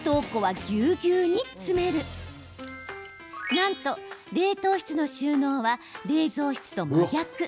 なんと、冷凍室の収納は冷蔵室と真逆。